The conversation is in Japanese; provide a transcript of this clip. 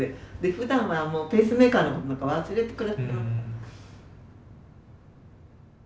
ふだんはもうペースメーカーのことなんか忘れて暮らしてます。